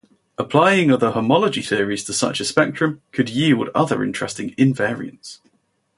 Applying other homology theories to such a spectrum could yield other interesting invariants.